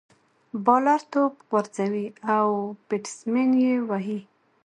بالر توپ غورځوي، او بيټسمېن ئې وهي.